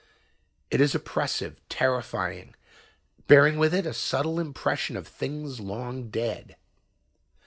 It is oppressive, terrifying, bearing with it a subtle impression of things long dead.